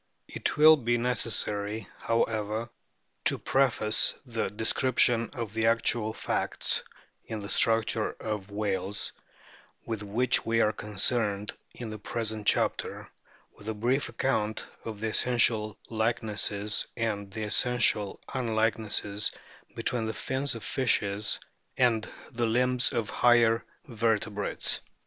It will be necessary, however, to preface the description of the actual facts in the structure of THE EXTERNAL FORM OF WHALES 17 whales, with which we are concerned in the present chapter, with a brief account of the essential like nesses and the essential unlikenesses between the fins of fishes and the limbs of higher vertebrates.